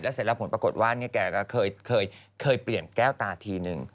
เสร็จแล้วผลปรากฏว่าแกก็เคยเปลี่ยนแก้วตาทีนึง